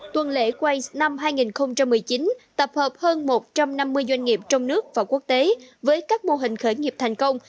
tuần lễ quay năm hai nghìn một mươi chín tập hợp hơn một trăm năm mươi doanh nghiệp trong nước và quốc tế với các mô hình khởi nghiệp thành công